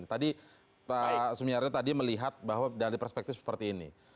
tadi pak sumiari tadi melihat bahwa dari perspektif seperti ini